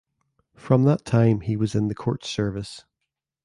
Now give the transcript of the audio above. From that time he was in the court service.